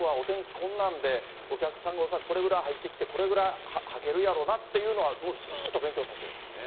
こんなんでお客さんがこれぐらい入ってきて、これぐらいはけるやろうなっていうのをもうずっと勉強させてるんです。